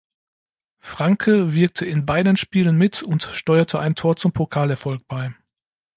Franke wirkte in beiden Spielen mit und steuerte ein Tor zum Pokalerfolg bei.